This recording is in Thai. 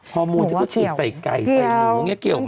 ฮอร์โมนที่ก็ทิ้งใส่ไก่ใส่มืออย่างนี้เกี่ยวไหม